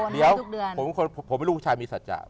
เดี๋ยวผมไม่รู้ว่าชายมีสัญญา